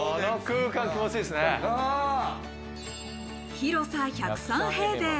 広さ１０３平米。